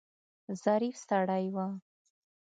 ظریف سړی و.